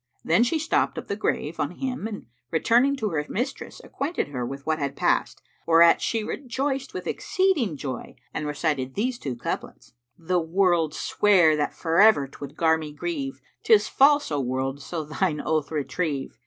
Then she stopped up the grave on him and returning to her mistress acquainted her with what had passed, whereat she rejoiced with exceeding joy and recited these two couplets, "The world sware that for ever 'twould gar me grieve: *Tis false, O world, so thine oath retrieve[FN#375]!